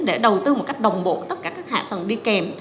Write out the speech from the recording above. để đầu tư một cách đồng bộ tất cả các hạ tầng đi kèm